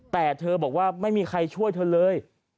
แต่เธอบอกว่าไม่มีใครช่วยเธอเลย